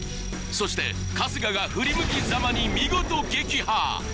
そして春日が振り向きざまに見事撃破！